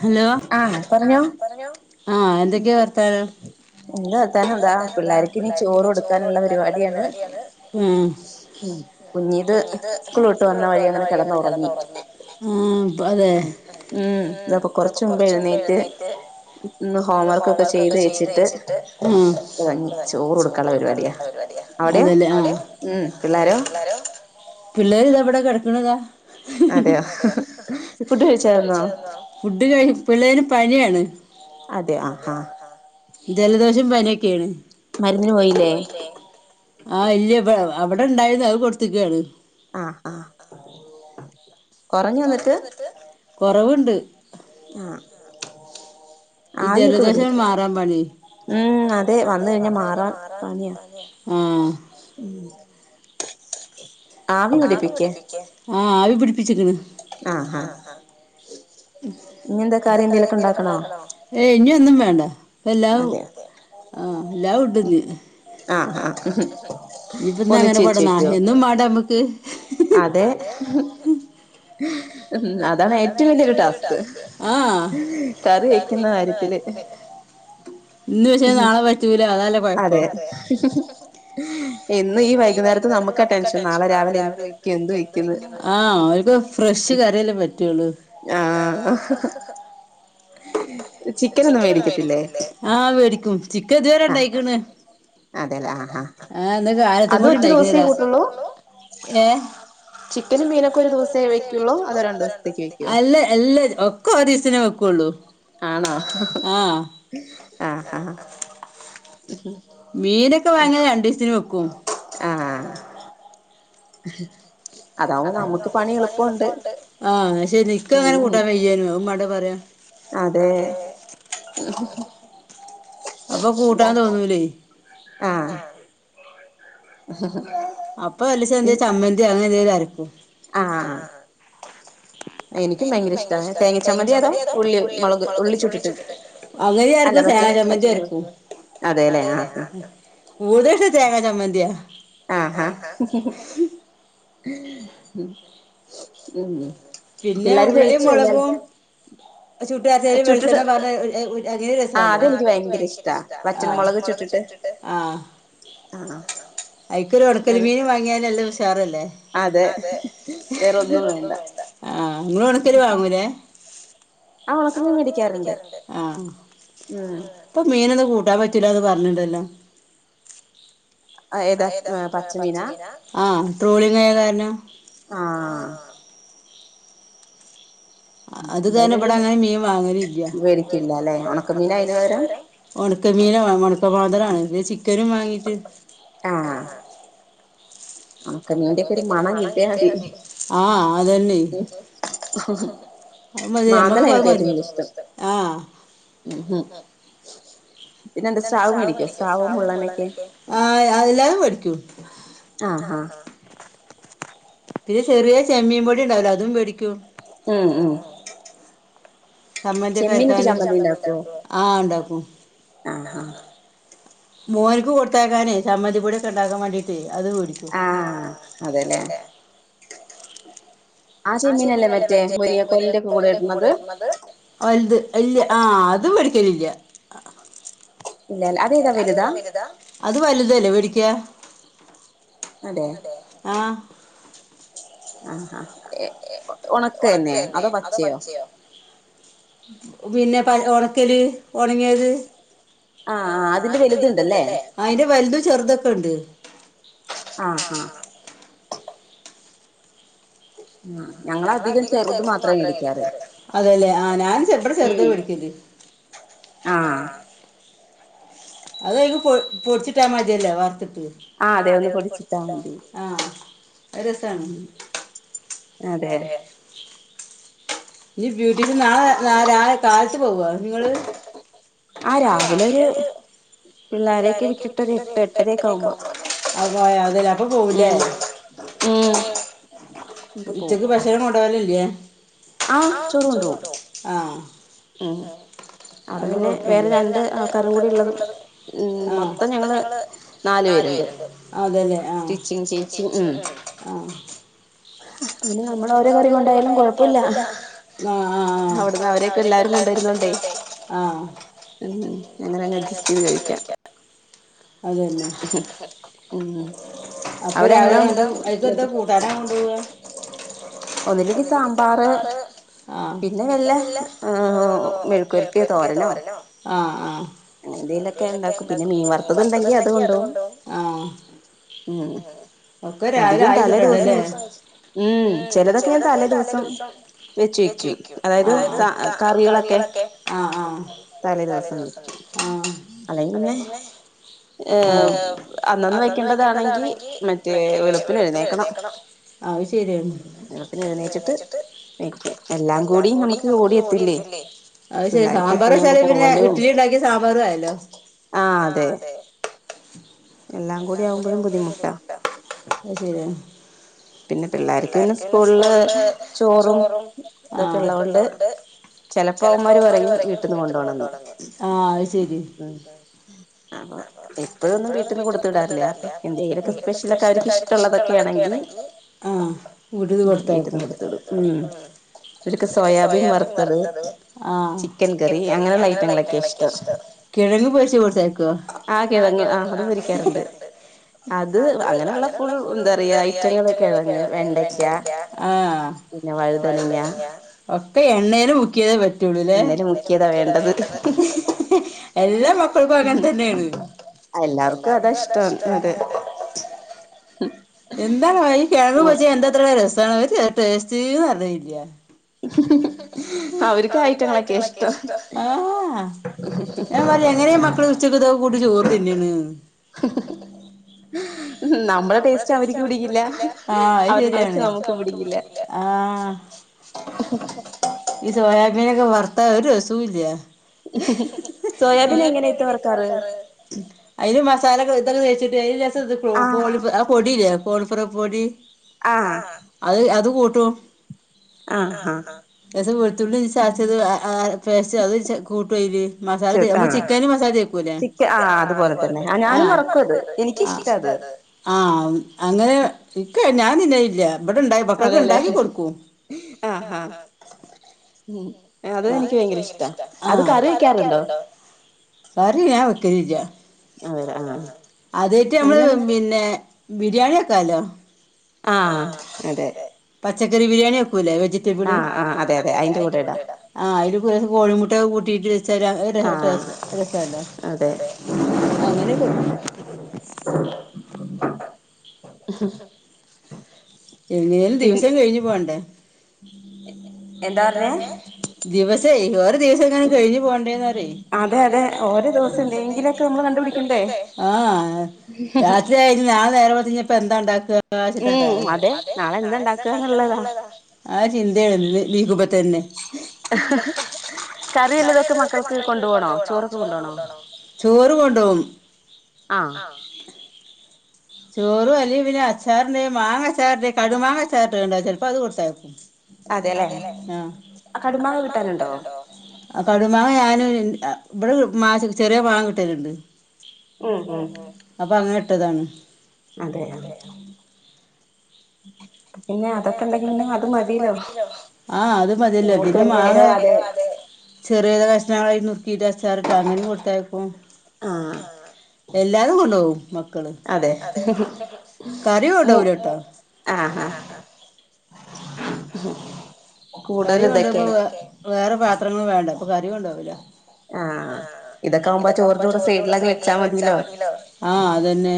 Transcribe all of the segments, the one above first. Hello ആ എന്തൊക്കെയാ വർത്താനം എന്താ വർത്താനം എന്താ പിള്ളേർക്കിനി ചോറ് കൊടുക്കാനുള്ള പരിപാടിയാണ് ഉം കുഞ്ഞീത് സ്കൂളോട്ട് വന്ന വഴി അങ്ങനെ കിടന്ന് ഉറങ്ങി ആ ഉം ഉം ഇതപ്പൊ കൊറച്ച മുമ്പ് എഴുന്നേറ്റ് ഇന്ന് ഹോം വർക്കൊക്കെ ചെയ്ത് വെച്ചിട്ട് ചോറ് കൊടുക്കാനുള്ള പരി അതെല്ലേ ആ പിള്ളേർ ഇതെവിടെ കിടക്ക്ണ്താ അതെയോ ഫുഡ് കഴിച്ചായി ഫുഡ് കഴി പിള്ളേര് പനിയാണ് അതെആ ആ ജലദോഷും പനിയൊക്കെയാണ് മരുന്നിനു പോയില്ലേ ആ ഇല്ലയ അവിടെ ഇണ്ടായിരുന്നു അത് കൊടുത്തക്കാണ് ആ ആ കൊറഞ്ഞു എന്നിട്ട് കൊറവുണ്ട് ആ ഈ ജലദോശാണ് മാറാൻ പണി ഉം അതെ വന്ന് കഴിഞ്ഞാ മാറാൻ പണിയ ആവി പിടിപ്പിക്ക് ആ ആവി പിടി ആ ആ ഇനി യന്താ കറി എന്തെങ്കിലും ഉണ്ടാക്കണം ഏ ഇനി ഒന്നും വേണ്ട എല്ലാം ആ എല്ലാം ഉണ്ട്ന്ന് ഇപ്പന്ന് അങ്ങനെ കൊടന്നാ എന്നും മാടാ നമ്മുക്ക് അതെ ഉം അതാണ് ഏറ്റവും വലിയൊരു ടാസ്ക് കറി വെക്കുന്ന കാര്യത്തില് ഉം അതെ എന്ന് ഈ വൈകുന്നേരത്ത് നമുക്കാ ടെൻഷൻ നാളെ രാവിലെ എന്ത് വെക്കും എന്ത് വെക്കും എന്ത് വെക്കും ആ അവൽക്ക് ഫ്രഷ് കറിയല്ലേ പ റ്റൊള്ളൂ ആ ആ ചിക്കൻ ഒന്നും വേടിക്കത്തില്ലേ ആവേടിക്കും ചിക്കൻ ഇതുവരെണ്ടായിക്ക്ണ് അതെല്ലേ ആ ആ അത് ഒറ്റ ദിവസേ കൂട്ടുള്ളൂ ചിക്കനും മീനൊക്കെ ഒരു ദിവസേ വെക്കുള്ളൂ അതോ രണ്ടു ദിവസത്തേക്ക് വെ അല്ല എല്ല ഒക്കെ ഒരീസെന്നെ വെക്കുള്ളു ആണോ ആ മീനൊക്കെ വാങ്ങിയാൽ രണ്ടു ദിവസത്തിന് വെക്കും ആഹ് [unintelligible] അതാവുമ്പോ നമുക്ക് പണി എളുപ്പമുണ്ട്. ആ അയ് ശെരി ഇക്കങ്ങനെ കൂട്ടാൻ വെയ്യേനു അതും മാണ്ടേ പറേ അതെ അപ്പൊ കൂട്ടാൻ തോന്നൂലേ ആ അപ്പൊ അലിച്ച എന്ത് ചമ്മന്തിയോ അങ്ങനെന്തഅരക്കും ആ എനിക്കും ഭയങ്കര ഇഷ്ടമാണ് തേങ്ങ ചമ്മതി അതോ ഉള്ളി മുളക് ഉള്ളിച്ചുട്ടിട്ട് അല്ല മറ്റേ [unintelligible] അതെലെ ആ കൂടുതലായിട്ട് തേങ്ങാ ചമ്മന്തിയാ ആഹ ഉം പിള്ളാര് ചോയിച്ചു [unintelligible] ചുട്ടാച്ചല് വെളിച്ചണ് പറഞ്ഞ അങ്ങനെ രസ ലൊ അത് എൻക്ക് ഭയങ്കര ഷ്ട വറ്റൽ മുളക് ചു ട്ട് ട്ട് ആ അ ആ അയിക്കൊരു ഒണക്കല് മീന് വാങ്ങിയാലല്ല ഉഷാറല്ലേ അതെ ആഹ് ഇങ്ങള് ഒണക്കല് വാങ്ങൂലേ ആ ഒണക്ക മീൻ മേടിക്കാറുണ്ട്. ആ പ്പ മീനൊന്നും കൂ ട്ടാൻ പറ്റൂല ന്ന് പറിണ് ണ്ടല്ലോ അയേതാ പച്ച മീനാ ആ ട്രോളിംഗ് ള്ള കാരണം ആ അത് കാരണം ഇവിടെ അങ്ങനെ മീൻ വാങ്ങല് ഇല്ല വേടിക്കലില്ല ഒണക്ക മീനാ അയ്‌ന് പകരം ഒണക്ക മീന് വാങ്ങും ഒണക്ക മാന്തലാണ് പിന്നെ ചിക്കനും വാങ്ങീട്ട് ഒണക്ക മീന്റൊക്കൊരു മണം കിട്ടിയാതി ആഹ അതന്നെ അഅ് മതി മ്മക്ക് പ്പ അഅ് മതി ആഹ [unintelligible] പിന്നെന്താ സ്രാവ് മേടിക്കോ സ്രാവും മുള്ളനൊക്കെ ആ എല്ലാതും മേടിക്കും ആഹ ആഹ പിന്നെ ചെറിയ ചെമ്മീൻ പൊടി ഇ ണ്ടാവലോ അതും മേടിക്കും. സമ്മന്തിക്കെ അര്ക്കാനും ചെമ്മീനിട്ട് ചമ്മന്തി ഉണ്ടാക്കോ ആഹ ഇണ്ടാക്കും. മോൻക്ക് കൊട്ത്തയക്കാനേ ചമ്മന്തിപൊടിയൊക്കെ ഇ ണ്ടാക്കാൻ വേണ്ടീട്ട് അത് വേട്ച്ചു. ആ ചെമ്മീനല്ലേ മറ്റേ മുരിങ്ങ കോ ലിന്റെക്കെ കൂടെ ഇട്ണത് വൽത്. ഇല്ല ആ അതു വേടിക്കലില്ല അതേതാ വലുതാ അത് വലുതല്ലേ വേടിക്ക അതേ ആ ഒണക്ക് തന്നെ അതോ പച്ചയോ പിന്നെ പ ഒണക്കല് ഒണങ്ങിയത്. ആ അതിന്റെ വലുത്ണ്ടല്ലേ അയി ന്റെ വലുതും ചെറുതൊക്കെ ഇണ്ട് ആഹ ആഹ ഞങ്ങള് അധികം ചെർത് മാത്ര മേടിക്കാറ് അതേ ലെ ആ ഞാനും ചെർ ബടെ ചെർതാ വേടിക്കല് ആ അത് അയ്ക്ക് പൊടിച്ചിട്ടാ മതില്ലേ വർത്തിട്ട് ആ അതെ ഒന്ന് പൊട്ച്ച്ട്ടാ മതി ആഹ ഒരു രസാണ് അതെ ജ് ബ്യൂട്ടീഷ്യൻ നാളെ നാളെ രാ കാലത്ത് പോവോ നിങ്ങള് ആ രാവിലെ ഒരു പിള്ളോരെയൊക്കെ വിട്ടിട്ടൊരു എട്ട് എട്ടരൊക്കെ ആവുമ്പോ അ പോ അതല്ല അപ്പൊ പോവൂലേ ഉച്ചക്ക് ഭക്ഷണം കൊണ്ടോവലില്ലേ ആ ചോറു കൊണ്ടോവും ആ ആ പിന്നെ പേര് രണ്ട് ആൾക്കാരും കൂടി ഉള്ളത് ആ മൊത്തം ഞങ്ങള് നാല പേരുണ്ട്ച്ചച്ച ഉ ആ പിന്നെ നമ്മള ഓരോ കറിവ ഉണ്ടായാലും കൊഴപ്പില്ല അവിന്ന് അവരക്കെ എല്ലാരണ്ട ആ അതന്നെ അപ്പൊ രാവിലെ കന്ത അക്ക് എന്താ കൂട്ടാനാ കൊണ്ടു പോോവവാ ഒലക്ക് സാമ്പാറ് ആ പിന്നെ വല്ല മേൽക്കുരുപ്പിയ തോരനോ അങ്ങനെ എന്തെലൊക്കെ ഉണ്ടാക്കും പിന്നെ മീൻ വറുത്തത് ഉണ്ടെങ്കി അത് കൊണ്ടോ ഒക്കെ രാവിലെ ആയി കിട്ടണ്ടല്ലേ ഉം ചെിലതൊക്കെ ത അല്ലേ ദിവസം വെച്ച് വെക്കും അതായത് കറികളൊക്കെ തലേ ദിവസംന്ന് അല്ലെങ്കി പിന്നെ ഏർ അന്നന്ന് വെക്കേണ്ടതാണെങ്കിൽ മറ്റേ വെളുപ്പിിന എഴുന്നേക്കണം ഉ നിന പി എുന്നയിച്ചിട്ട് െ എല്ലാം കൂടി നമുക്ക് ഓട എത്തില്ലേ െ സാമ്പാർ വെച്ചാലല് പിന്നെ ഇഡ്ലി ഉണ്ടാക്കിയ സാമ്പാറ ആല്ലോ ആഹ അതെ എല്ലാം കൂടി ആവുമ്പോഴും ബുദ്ധിമുട്ടാ ശരിയ പിന്നെ പിള്ളർക്ക് പിന്നെ സ്കൂളില് ചോറും അതൊക്കെള്ള കൊണ്ട് ചെപ്പോ അന്മാര് പറങ്ങി വീട്ടന്ന് കൊണ്ട പോണം ആ ശരി അപ്പൊ എപ്പോഴൊന്നും വീട്ടിൽന്നും കൊടുത്തിടാറില്ല അപ്പൊ എന്റെരൊക്കെ സ്പെഷ്യലൊക്കെ അവർക്ക് ഇഷ്ടമുള്ളതൊക്കൊണെങ്കിൽ ആഹ വടത് കൊടുത്തക്ക ഇടക്കെ സോയാബീൻ വെറുത്തത് ചിക്കൻ കറി അങ്ങനെയുള്ള ഐറ്റങ്ങളൊക്കെയ ഇഷ്ടം കിഴങ്ങ് പശ കൊടുത്തേക്കുവ ആ കിഴങ്ങ് ആാറണ്ട് അത് അങ്ങനെയുള്ള ഫുഡ എന്താ പറയ ഐറ്റം വെണ്ട വഴുതനങ്ങ എണ്ണൽ മുക്ക ചെയ്തേ പറ്റുള്ളൂല്ലേ എണ്ണ മുക്കിയതാ വേണ്ടത് എല്ലാം അനെ തന്നെയാണ് എാവർക്കും അഷ എന്താണഈ കിഴ പോച്ച എന്താത്ര രസമാണ് പര് ടേസ്റ്റ് നല്ലല്ല അവർക്ക് ഐറ്റങ്ങളൊക്കെ ഇഷ്ടം മ എങ്ങനെയ മക്കള ഉച്ചക്ക്ത കൂട്ട ചോറ് തിന്നെയാണ് ഉ നമ്മ ടേസ്റ്റ് അവട അ ശരിയാണ് ഇത്യാ പിനൊക്കെ ഭർത്ത വര സൂ ഇല്ലയ ഉ സോയാബീൻ എങ്ങനെ അ മസ ഇതൊക്കെ കോഴി പൊടില്ലേ കോഴിപ്പറ പൊടി അത് അത് കൂട്ടും വെളുത്തുള്ളി ചച്ചത് പേ അത് കൂട്ടുംല് മസാല ച മല്ല അങ്ങനെ ചിക്ക ഞാൻ നിനയില്ല ഇടെ ഇണ്ടാക്ക പക്കൊക്കെ ഇണ്ടാക്കി കൊടുക്കും നിക്ക്യങ്കഷ്ടാ കറി ഞാൻ വെക്കജ അതായിട്ട് നമ്മള് പിന്നെ ബിരിയാണി ഒക്കാലോ ആഹ അതെ പച്ചക്കറി ബിരിയാണി ഒക്കുംല്ലേ വെജിറ്റബിൾ അ കോഴിമുട്ട കൂട്ടിട്ട് വെച്ചാല് രസല്ലോ അങ്ങനെക്ക കൊക്ക ഉ എങ്ങനേിലും ദിവസം കഴിഞ്ഞു പോവണ്ടേ ാ പറ ദിവസേറെ ദിവസ എങ്ങും കഴിഞ്ഞു പോകണ്ടേന്ന് [inaudible] ഇനി ാൻ നേര വഞ്ഞപ്പോൊ എന്താണ്ടാക്കുക ആ ചിത്തക്കാരണ്ട ആ ചിന്തയ നീക്പത്ത തന്നെ ചറല്ലതൊക്കെ മക്കൾക്ക് കൊണ്ടു പോോണോ ചോറൊക്കെ കൊണ്ടു പോോണോ ണ്ടോ ചോറും അല്ലിയ പിന്ന അച്ചാറിൻന്റെ മാങ്ങ അച്ചാറിന്റെ കടു മാങ്ങച്ചാരുടെ ഉണ്ടാവ ചിലപ്പപ്പോ അത് കൊടുത്തക്കും അതല്ല ആഹ കടുമാ കിട്ടാനുണ്ടോ കടുമാ ഞൻ ഇവിടെ മാശ ചെറിയ മാാങ്ങ കിട്ടലുണ്ട് അപ്പൊ അങ്ങനെ ഇട്ടതാണ് അതെയ [unintelligible] ചെറിയത കഷ്ണങ്ങളായി നുക്കിട്ട് അച്ചാറിട്ടാ അങ്ങനെ കൊടുത്തായിപ്പോ എല്ലരും കൊണ്ടപോകും മക്കള് കറിോട രോട്ടോ ഉ കരി കൊുണ്ട് ഇപ്പൊ വ വേറെ പാത്രങ്ങ വേണ്ട ഇപ്പൊ കറിവ കൊണ്ടാവില്ല ആഹ ഇതൊക്കെ ആവുമ്പോ ചോർജ കൂടെ സൈഡിലൊക്കെ വെച്ചാ മതില്ലോ ആ അതന്നെ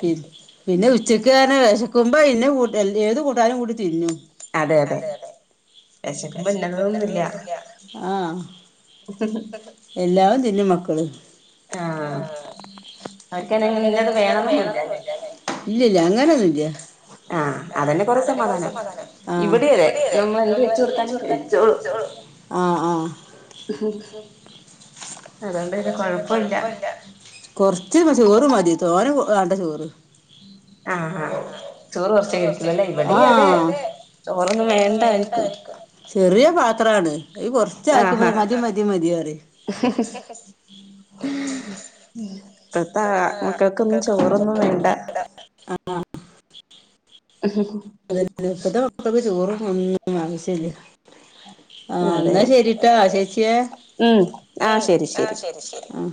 പിന്ന പിന്നെ ചിക്കെ വിശക്കുമ്പോ ഇന്നെ ക ഏത് കൂട്ടാലും കൂടി തിരിഞ്ഞു അതെ അതെ വിശക്കും പിന്നതൊന്നുമില്ല ആഹ് എല്ലും തിന്ന മക്കള് ആഹ ഇല്ലല്ല അങ്ങനൊന്നുംല്ല ആഹ അതന്നെ കൊറ സമാധാനം ഇവിടെല്ലേ ന ആ ആ കൊറച്ച് ചോറ് മതി തോന വണ്ട ചോറ് ആഹ ആ ചോറ് വർഷ ക വേണ്ട ചെറിയ പാത്രാണ് അ കൊറച്ച ആക്കിപ്പോ മതി മതി മതി മാറി ഉ ഉം ഇ മക്കൾക്കൊന്നുംോട അ ഇപ്പത്തെുക്കൊക്കെ ചോറ വ എ ശല്ല ആഹ എന്നാ ശെരിട്ടാ ചേച്ചിയ ആ